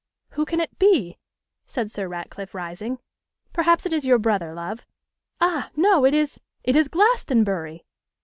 'Who can it be?' said Sir Ratcliffe, rising; 'perhaps it is your brother, love. Ah! no, it is it is Glastonbury!